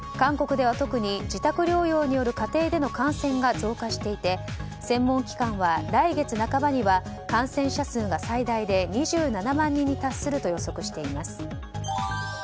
韓国では特に自宅療養による家庭での感染が増加していて専門機関は来月半ばには感染者数が最大で２７万人に達すると予測しています。